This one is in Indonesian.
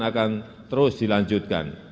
akan terus dilanjutkan